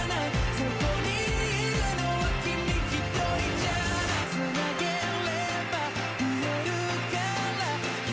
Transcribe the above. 「そこにいるのは君ひとりじゃない」「つなげれば見えるから」